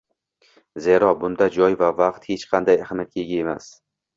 zero, bunda joy va vaqt hech qanday ahamiyatga ega emas.